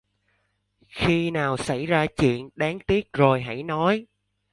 Khi nào xảy ra chuyện đáng tiếc rồi hãy nói